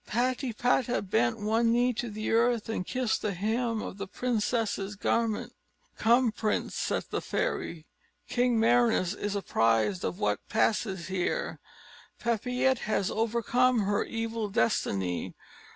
Patipata bent one knee to the earth, and kissed the hem of the princess's garment. "Come, prince," said the fairy, "King Merinous is apprised of what passes here. Papillette has overcome her evil destiny.